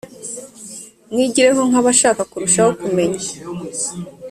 mwigire nkabashaka kurushaho kumenya.